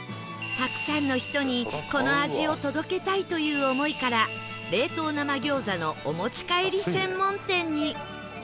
たくさんの人にこの味を届けたいという思いから冷凍生餃子のお持ち帰り専門店に